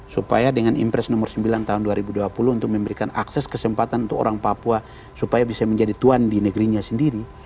supaya dengan impres nomor sembilan tahun dua ribu dua puluh untuk memberikan akses kesempatan untuk orang papua supaya bisa menjadi tuan di negerinya sendiri